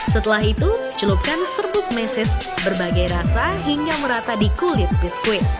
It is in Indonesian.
setelah itu celupkan serbuk meses berbagai rasa hingga merata di kulit biskuit